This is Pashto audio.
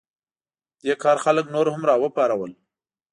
دې کار خلک نور هم راوپارول.